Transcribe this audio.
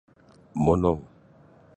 Monong.